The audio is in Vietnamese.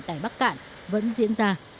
tại bắc cạn vẫn diễn ra